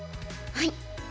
はい。